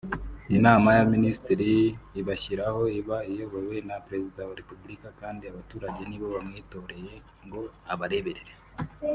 Inama y’Abaminisitiri ibashyiraho iba iyobowe na Perezida wa Repubulika kandi abaturage nibo bamwitoreye ngo abareberere